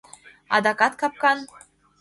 «Адакат капкан?»